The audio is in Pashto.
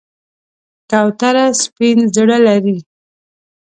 کوتره سپین زړه لري.